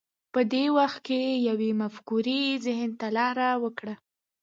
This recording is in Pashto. په دې وخت کې یوې مفکورې ذهن ته لار وکړه